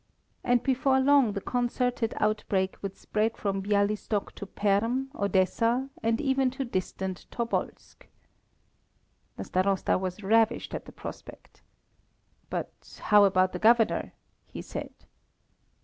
And before long the concerted outbreak would spread from Bialystok to Perm, Odessa, and even to distant Tobolsk. The Starosta was ravished at the prospect. "But how about the Governor?" he said.